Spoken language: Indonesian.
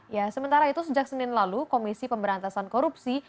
ya sementara itu sejak senin lalu komisi pemberantasan korupsi